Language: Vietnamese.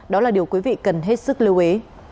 đó là điều quý vị cần hết sức lưu ý